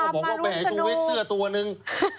เขาก็บอกว่าแห่งจุวิทเสื้อตัวนึง